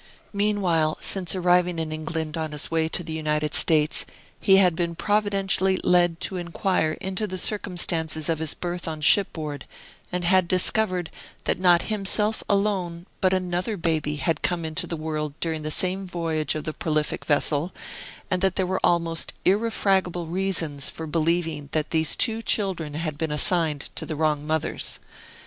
Meanwhile, since arriving in England on his way to the United States, he had been providentially led to inquire into the circumstances of his birth on shipboard, and had discovered that not himself alone, but another baby, had come into the world during the same voyage of the prolific vessel, and that there were almost irrefragable reasons for believing that these two children had been assigned to the wrong mothers.